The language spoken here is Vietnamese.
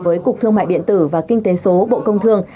với cục thương mại điện tử và kinh tế số bộ công thương